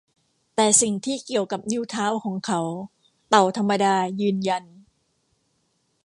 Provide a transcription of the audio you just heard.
แต่สิ่งที่เกี่ยวกับนิ้วเท้าของเขา เต่าธรรมดายืนยัน